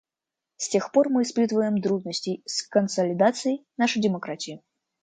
С тех пор мы испытываем трудности с консолидацией нашей демократии.